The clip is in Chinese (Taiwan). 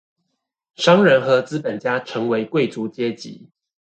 商人和資本家成為貴族階級